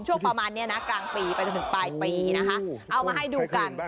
ช่วงประมาณนี้นะกลางปีไปจนถึงปลายปีนะคะเอามาให้ดูกัน